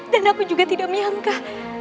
dan aku juga tidak menyangka